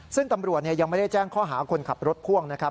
ซึ่งตำรวจยังไม่ได้แจ้งข้อหาคนขับรถพ่วงนะครับ